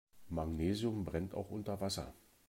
Magnesium brennt auch unter Wasser.